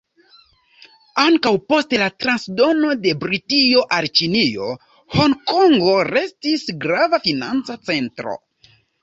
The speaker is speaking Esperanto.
Ankaŭ post la transdono de Britio al Ĉinio, Honkongo restis grava financa centro.